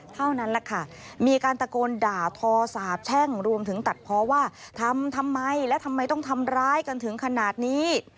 เท่านั้นแหละค่ะมีการตะโกนด่าทอสาบแช่งรวมถึงตัดเพราะว่าทำทำไมและทำไมต้องทำร้ายกันถึงขนาดนี้